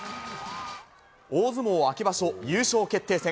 大相撲秋場所、優勝決定戦。